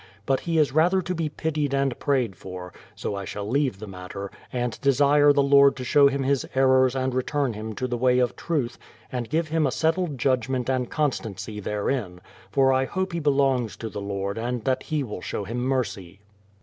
But he is rather to be pitied and prayed for; so I shall leave the matter, and desire the Lord to show him his errors and return him to the way of truth, and give him a settled judgment and constancy therein; for I hope he belongs to tlie Lord and that He will show him mercy.